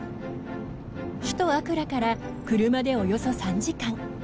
首都アクラから車でおよそ３時間。